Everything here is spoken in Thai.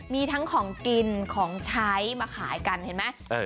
มีทั้งของกินของใช้มาขายกันเห็นไหม